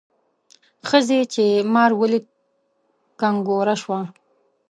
ښځې چې مار ولید کنګوره شوه.